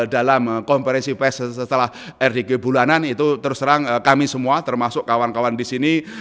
dalam konferensi pes setelah rdg bulanan itu terus terang kami semua termasuk kawan kawan di sini